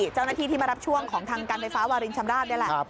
เจ้าหน้าที่ที่มารับช่วงของทางการไฟฟ้าวารินชำราบนี่แหละ